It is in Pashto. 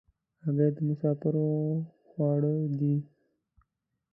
هګۍ د مسافرو خواړه دي.